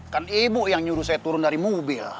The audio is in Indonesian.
kan ibu yang nyuruh saya turun dari mobil